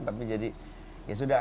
tapi jadi ya sudah